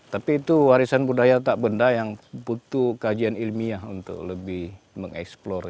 tapi itu warisan budaya otak benda yang butuh kajian ilmiah untuk lebih mengeksplorasi